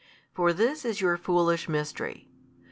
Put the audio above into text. For this is your foolish mystery.